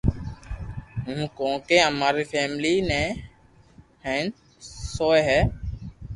ھون ڪونڪو اما رو فيملي نيني ھين سوٺي ھي